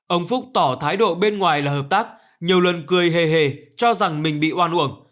ông phúc tỏ thái độ bên ngoài là hợp tác nhiều lần cười hề hề cho rằng mình bị oan uổng